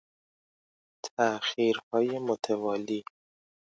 تاخیرهای متوالی